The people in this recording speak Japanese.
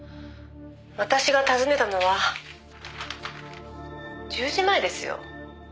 「私が訪ねたのは１０時前ですよ」